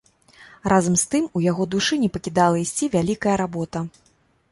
Разам з тым у яго душы не пакідала ісці вялікая работа.